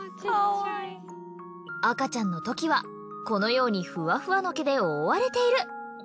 赤ちゃんのときはこのようにふわふわの毛で覆われている。